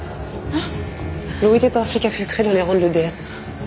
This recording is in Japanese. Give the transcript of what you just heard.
あっ！